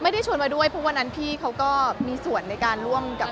ชวนมาด้วยเพราะวันนั้นพี่เขาก็มีส่วนในการร่วมกับ